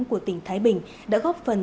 của tỉnh thái bình đã góp phần